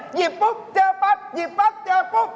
หยิบปุ๊บเจอปั๊บหยิบปั๊บเจอปุ๊บ